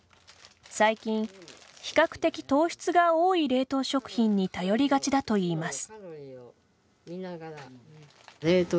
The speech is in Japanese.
最近、比較的糖質が多い冷凍食品に頼りがちだといいます。